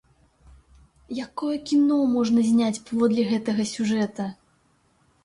Якое кіно можна зняць паводле гэтага сюжэта!